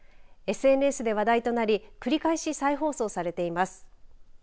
ＳＮＳで話題となり繰り返し再放送されています。